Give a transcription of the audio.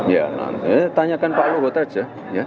ya nanti tanyakan pak luhut aja